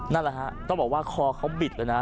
นั่นแหละครับต้องบอกว่าคอเขาบิดนะ